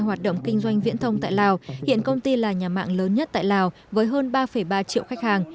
hoạt động kinh doanh viễn thông tại lào hiện công ty là nhà mạng lớn nhất tại lào với hơn ba ba triệu khách hàng